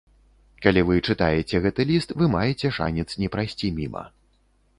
Калі вы чытаеце гэты ліст, вы маеце шанец не прайсці міма.